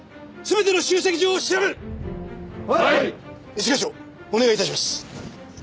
一課長お願い致します。